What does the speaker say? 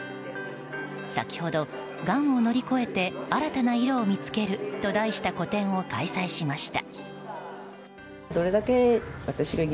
先ほど、「がんを乗り越えて新たな色を見つける」と題した個展を開催しました。